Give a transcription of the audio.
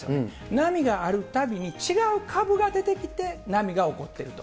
波があるたびに、違う株が出てきて波が起こってると。